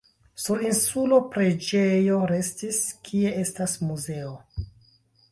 Sur insulo preĝejo restis, kie estas muzeo.